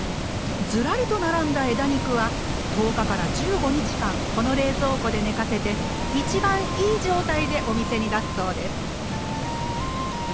ずらりと並んだ枝肉は１０日から１５日間この冷蔵庫で寝かせて一番いい状態でお店に出すそうです。